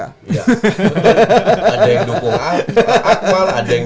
ada yang dukungan akmal ada yang